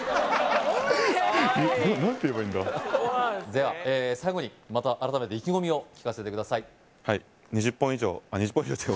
では最後にまた改めて意気込みを聞かせてください